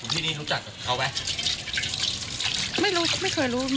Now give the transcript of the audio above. คุณพี่นี้รู้จักกับเขาไหม